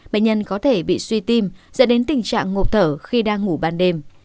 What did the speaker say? bệnh nhân có thể bị suy tim dẫn đến tình trạng ngộp thở khi đang ngủ ban đêm